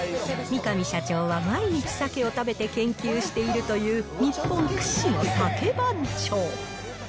三上社長は毎日、さけを食べて研究しているという日本屈指のさけ番長。